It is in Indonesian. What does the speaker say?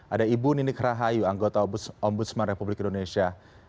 ada ibu ninik rahayu anggota ombudsman republik indonesia